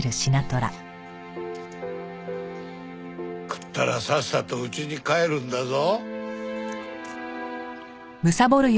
食ったらさっさと家に帰るんだぞ。